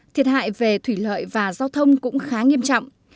thiệt hại về thủy lợi và giao thông cũng khá nghiêm trọng